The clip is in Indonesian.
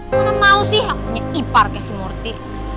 mana mau sih aku punya ipar kakak si murti